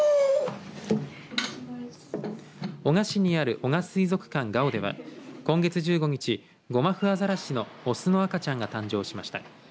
男鹿市にある男鹿水族館ＧＡＯでは今月１５日、ゴマフアザラシの雄の赤ちゃんが誕生しました。